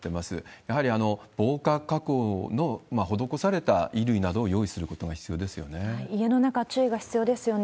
やはり防火加工の施された衣類などを用意することが必要ですよね。